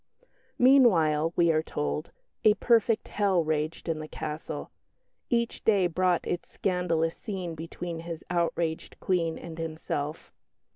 Meanwhile, we are told, "a perfect hell" raged in the castle; each day brought its scandalous scene between his outraged Queen and himself.